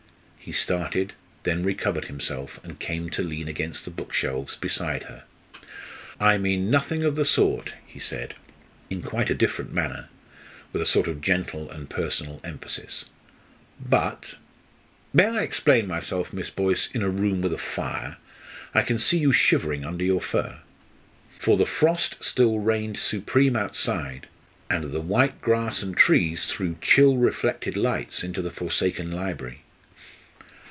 He started, then recovered himself and came to lean against the bookshelves beside her. "I mean nothing of the sort," he said, in quite a different manner, with a sort of gentle and personal emphasis. "But may I explain myself, Miss Boyce, in a room with a fire? I can see you shivering under your fur." For the frost still reigned supreme outside, and the white grass and trees threw chill reflected lights into the forsaken library.